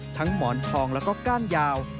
หมอนทองแล้วก็ก้านยาว